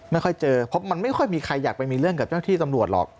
ไม่ค่อยเจอเพราะมันไม่ค่อยมีใครอยากไปมีเรื่องกับเจ้าหน้าที่ตำรวจหรอก